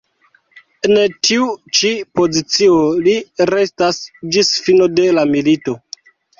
En tiu ĉi pozicio li restas ĝis fino de la milito.